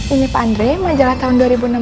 ini pak andre majalah tahun dua ribu enam belas